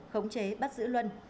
khống chế bắt giữ luân